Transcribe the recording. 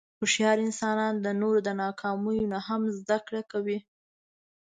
هوښیار انسان د نورو د ناکامیو نه هم زدهکړه کوي.